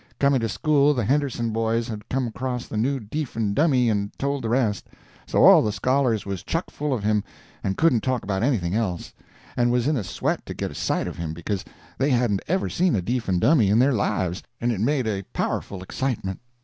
Coming to school the Henderson boys had come across the new deef and dummy and told the rest; so all the scholars was chuck full of him and couldn't talk about anything else, and was in a sweat to get a sight of him because they hadn't ever seen a deef and dummy in their lives, and it made a powerful excitement.